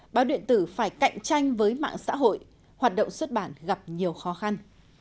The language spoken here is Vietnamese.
báo điện tử phải cạnh tranh với mạng xã hội hoạt động xuất bản gặp nhiều khó khăn